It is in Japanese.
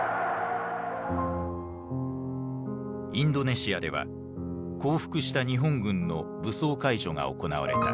インドネシアでは降伏した日本軍の武装解除が行われた。